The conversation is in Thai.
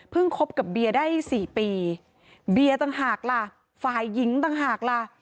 คบกับเบียร์ได้๔ปีเบียร์ต่างหากล่ะฝ่ายหญิงต่างหากล่ะ